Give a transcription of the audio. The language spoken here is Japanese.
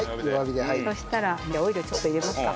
そしたらオイルちょっと入れますか。